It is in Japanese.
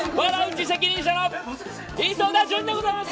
市責任者の井戸田潤でございます！